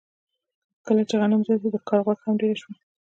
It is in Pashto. کله چې غنم زیات شو، د ښکار غوښه هم ډېره شوه.